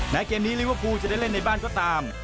เกมนี้ลิเวอร์พูลจะได้เล่นในบ้านก็ตาม